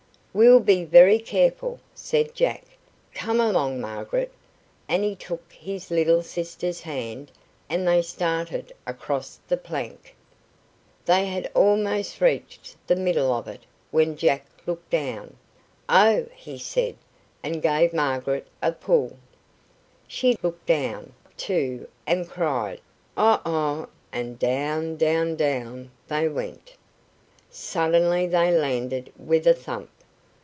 "We'll be very careful," said Jack. "Come along, Margaret," and he took his little sister's hand and they started across the plank. They had almost reached the middle of it when Jack looked down. "Oh!" he said, and gave Margaret a pull. She looked down too, and cried "Oh, Oh!" and down, down, down they went. Suddenly they landed with a thump.